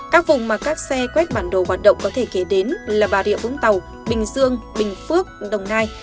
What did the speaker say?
các vùng mà các xe quét bản đồ hoạt động có thể kể đến là bà rịa vũng tàu bình dương bình phước đồng nai